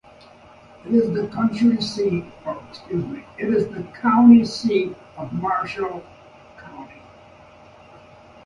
It is the county seat of Marshall County.